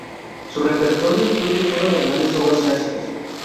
Su repertorio incluye todas las grandes obras clásicas.